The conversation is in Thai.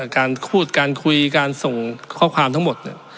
การพูดการคุยการส่งข้อความทั้งหมด